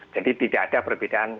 jadi tidak ada perbedaan